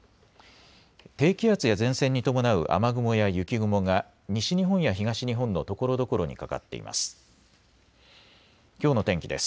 低気圧や前線に伴う雨雲や雪雲が西日本や東日本のところどころにかかっています。